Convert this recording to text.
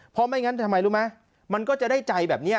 เพราะไม่งั้นทำไมรู้ไหมมันก็จะได้ใจแบบนี้